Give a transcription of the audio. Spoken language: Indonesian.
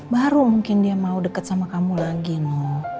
baru mungkin dia mau deket sama kamu lagi no